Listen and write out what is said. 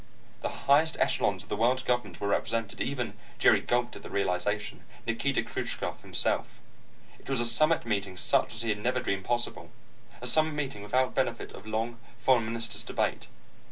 The highest echelons of the world's governments were represented, even Jerry gulped at the realization Nikita Khrushchev himself. It was a summit meeting such as he had never dreamed possible, a summit meeting without benefit of long foreign minister's debate.